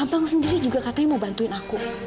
abang sendiri juga katanya mau bantuin aku